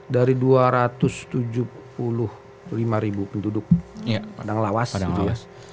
dari dua ratus tujuh puluh lima penduduk padang lawas gitu ya